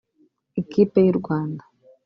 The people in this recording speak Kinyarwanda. Ikipe y’u Rwanda